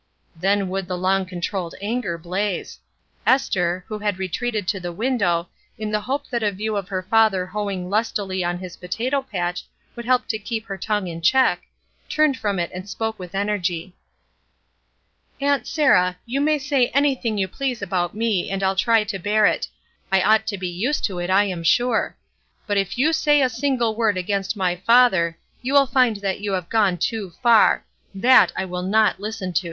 Then would the long controlled anger blaze. Esther who had retreated to the window m Th^pe that a view of her father hoemg utUy on his potato patch would help to keep her tongue in check, turned from rt and spoke ^Z^.^, you may say anything you please about me, and I'll try to bear it; I ought L be used to it, I am sure; but rfyou^^^^^^ single word against my father you ^^^ ^^^l yo!havegonetoofar that. Iwmnothstento.